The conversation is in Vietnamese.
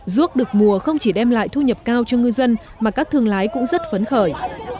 ruốc được mùa không chỉ đem lại thu nhập cao cho ngư dân mà các thương lái cũng rất phấn khởi